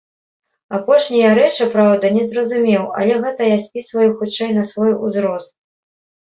Апошнія рэчы, праўда, не зразумеў, але гэта я спісваю хутчэй на свой узрост.